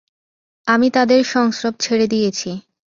আমি তাদের সংস্রব ছেড়ে দিয়েছি।